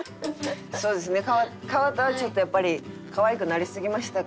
そうですね河田はちょっとやっぱりかわいくなりすぎましたから。